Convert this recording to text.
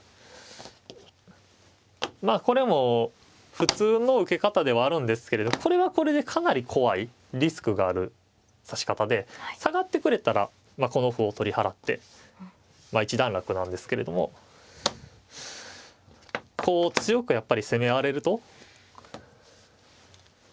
まあこれも普通の受け方ではあるんですけれどこれはこれでかなり怖いリスクがある指し方で下がってくれたらまあこの歩を取り払って一段落なんですけれどもこう強くやっぱり攻め合われると。